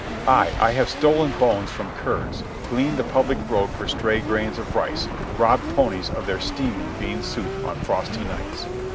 Ay—I have stolen bones from curs, gleaned the public road for stray grains of rice, robbed ponies of their steaming bean soup on frosty nights.